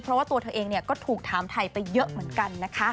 เพราะว่าตัวเธอเองก็ถูกถามไทยไปเยอะเหมือนกันนะคะ